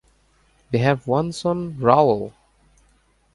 They have one son Rawal.